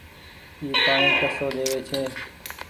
اي پآڻيٚ ڪسو ۮيوي ڇي۔